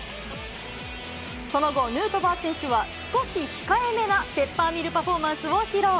その後、ヌートバー選手は、少し控えめなペッパーミルパフォーマンスを披露。